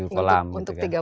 tujuh kolam gitu kan